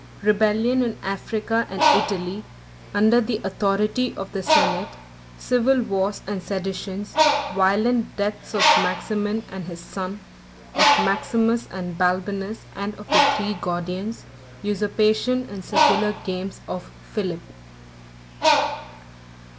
—Rebellion In Africa And Italy, Under The Authority Of The Senate.—Civil Wars And Seditions.—Violent Deaths Of Maximin And His Son, Of Maximus And Balbinus, And Of The Three Gordians.— Usurpation And Secular Games Of Philip.